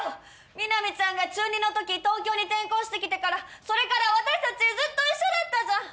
ミナミちゃんが中２のとき東京に転校してきてからそれから私たちずっと一緒だったじゃん。